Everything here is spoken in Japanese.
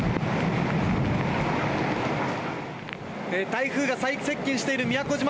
台風が最接近している宮古島。